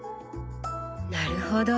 なるほど。